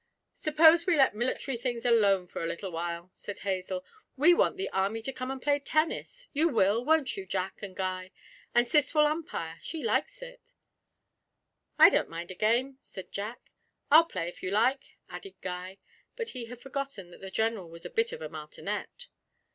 'Suppose we let military things alone for a little while,' said Hazel. 'We want the army to come and play tennis. You will, won't you, Jack and Guy? and Cis will umpire she likes it.' 'I don't mind a game,' said Jack. 'I'll play, if you like,' added Guy; but he had forgotten that the General was a bit of a martinet.